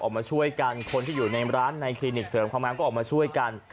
ออกมาช่วยกันคนที่อยู่ในร้านในคลินิกเสริมความงามก็ออกมาช่วยกัน